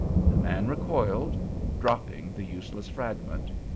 The man recoiled, dropping the useless fragment.